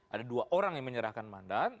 ada dua orang yang menyerahkan mandat